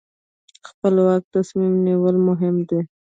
خپلواک تصمیم نیول مهم دي.